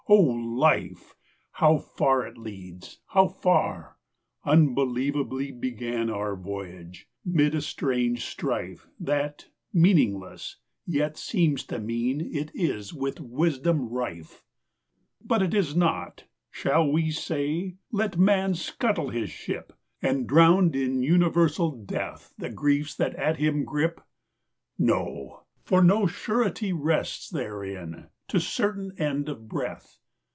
O life! How far leads it, how far? All unbelievably began Our voyage, mid a strange strife That, meaningless, yet seems to mean It is with Wisdom rife. But if it is not, shall we say, "Let man scuttle his ship, And drown in universal death The griefs that at him grip?" No; for no surety rests therein To certain end of breath.